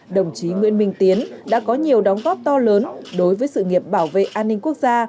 đồng chí nguyễn minh tiến đã có nhiều đóng góp to lớn đối với sự nghiệp bảo vệ an ninh quốc gia